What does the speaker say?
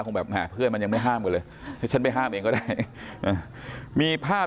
แบบแห่เพื่อนมันยังไม่ห้ามกันเลยให้ฉันไปห้ามเองก็ได้มีภาพ